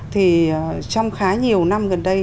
thì trong khá nhiều năm gần đây